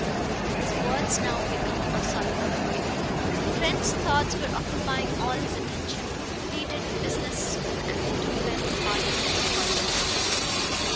His words now became a soliloquy: Trent's thoughts were occupying all his attention. He pleaded business soon, and the two men parted with cordiality.